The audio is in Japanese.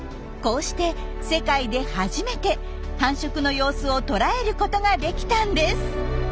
こうして世界で初めて繁殖の様子をとらえることができたんです。